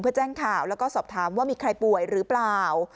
เพื่อแจ้งข่าวแล้วก็สอบถามว่ามีใครป่วยหรือเปล่า